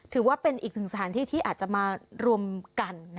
ถือว่าเป็นอีกหนึ่งสถานที่ที่อาจจะมารวมกัน